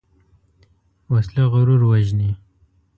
وسله غرور وژني